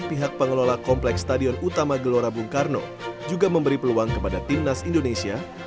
pihak pengelola kompleks stadion utama gelora bung karno juga memberi peluang kepada timnas indonesia